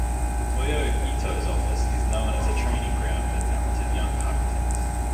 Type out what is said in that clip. Toyo Ito's office is known as a training ground for talented younger architects.